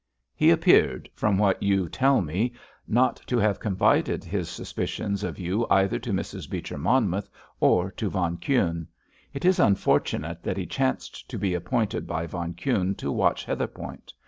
He appears, from what you tell me, not to have confided his suspicions of you either to Mrs. Beecher Monmouth or to von Kuhne. It is unfortunate that he chanced to be appointed by von Kuhne to watch Heatherpoint.